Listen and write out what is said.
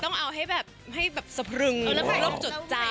ต้องเอาให้แบบทรัพย์รบจดจำ